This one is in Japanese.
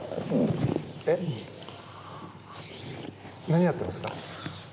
何やってますか？